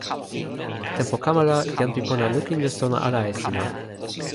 tenpo kama la, jan pi pona lukin li sona ala e sina.